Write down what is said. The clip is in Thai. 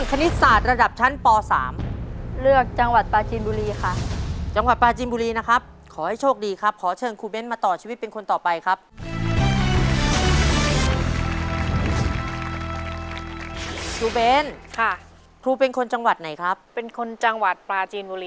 ครูเบนค่ะคือเป็งคนในครับเป็นคนจังหวัดปลาจีนบุรี